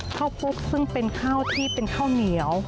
พวกซึ่งเป็นข้าวที่เป็นข้าวเหนียว